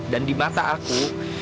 dan di mata aku